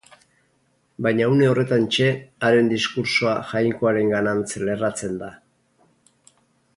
Baina une horretantxe, haren diskurtsoa Jainkoarenganantz lerratzen da.